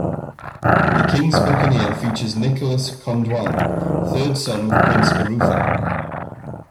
The King's Buccaneer features Nicholas conDoin, third son of Prince Arutha.